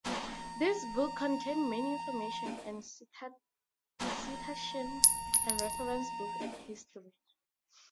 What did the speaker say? This book contain many information and citation and reference book and history.